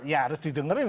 ya harus didengerin